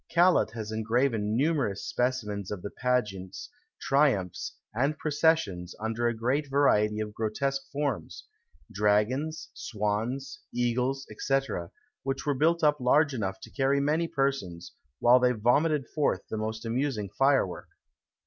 Callot has engraven numerous specimens of the pageants, triumphs, and processions, under a great variety of grotesque forms: dragons, swans, eagles, &c., which were built up large enough to carry many persons, while they vomited forth the most amusing firework.